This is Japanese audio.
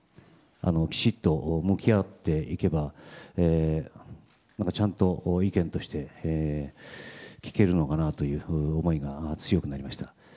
きちっと向き合っていけばちゃんと意見として聞けるのかなという思いが強くなりました。